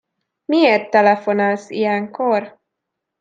Miért telefonálsz ilyenkor?